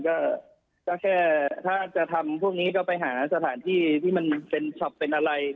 ก็แค่ถ้าจะทำพวกนี้ก็ไปหาสถานที่ที่มันเป็นช็อปเป็นอะไร